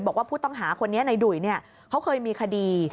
บอกว่าผู้ต้องหาคนนี้ในดุ่ยเขาเคยมีคดี